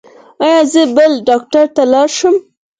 ایا زه بل ډاکټر ته لاړ شم؟